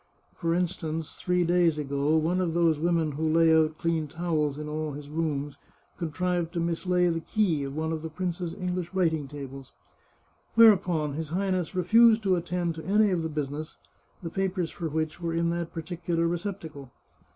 For instance, three days ago, one of those women who lay out clean 440 The Chartreuse of Parma towels in all his rooms contrived to mislay the key of one of the prince's English writing tables. Whereupon his Highness refused to attend to any of the business, the papers for which were in that particular receptacle.